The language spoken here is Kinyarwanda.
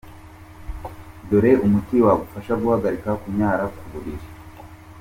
Dore umuti wagufasha guhagarika kunyara ku buriri.